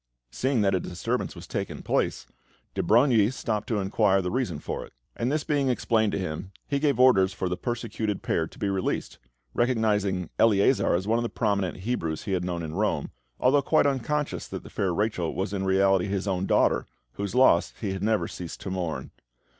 Seeing that a disturbance was taking place, de Brogni stopped to inquire the reason for it; and this being explained to him, he gave orders for the persecuted pair to be released, recognising Eleazar as one of the prominent Hebrews he had known in Rome, although quite unconscious that the fair Rachel was in reality his own daughter, whose loss he had never ceased to mourn.